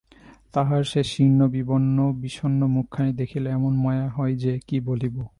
তাহার সে শীর্ণ বিবর্ণ বিষণ্ন মুখখানি দেখিলে এমন মায়া হয় যে, কী বলিব!